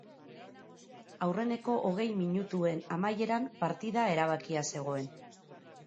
Aurreneko hogei minutuen amaieran partida erabakita zegoen.